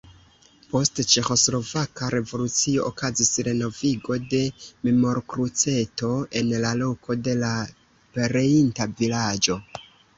Post ĉeĥoslovaka revolucio okazis renovigo de memorkruceto en la loko de la pereinta vilaĝo.